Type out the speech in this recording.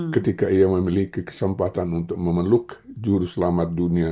ketika ia memiliki kesempatan untuk memeluk juru selamat dunia